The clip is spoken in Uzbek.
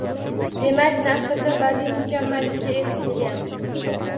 Demak, nasrda badiiy mukammallikka erishilgan